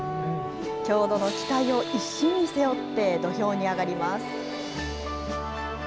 郷土の期待を一身に背負って、土俵に上がります。